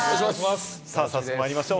早速まいりましょう。